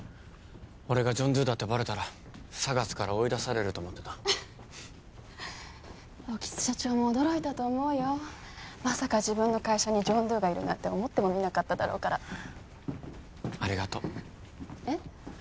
俺がジョン・ドゥだってバレたらＳＡＧＡＳから追い出されると思ってたフフッ興津社長も驚いたと思うよまさか自分の会社にジョン・ドゥがいるなんて思ってもみなかっただろうからありがとうえっ？